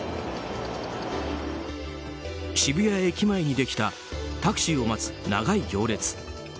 渋谷駅前にできたタクシーを待つ長い行列。